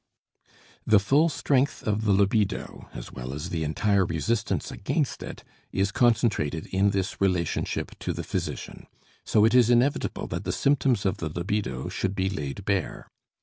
The full strength of the libido, as well as the entire resistance against it, is concentrated in this relationship to the physician; so it is inevitable that the symptoms of the libido should be laid bare.